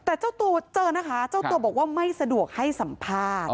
แต่เจ้าตัวเจอนะคะเจ้าตัวบอกว่าไม่สะดวกให้สัมภาษณ์